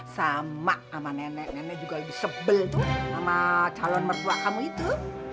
sama sama nenek nenek juga lebih sebel tuh sama calon mertua kamu itu